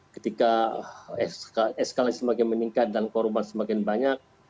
ketika eskalasi semakin meningkat dan korban semakin banyak